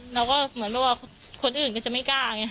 แล้วก็เหมือนว่าคนอื่นก็จะไม่กล้าไง